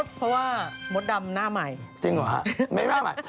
เพราะว่ามดดำหน้าใหม่จริงเหรอฮะไม่หน้าใหม่